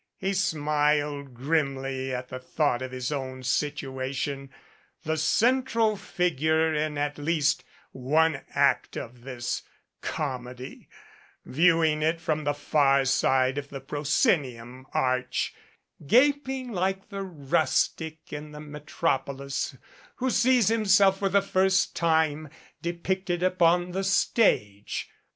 He smiled grimly at the thought of his own situation, the central figure in at least one act of this comedy, viewing it from the far side of the proscenium arch, gaping like the rustic in the metropolis who sees him self for the first time depicted upon the stage.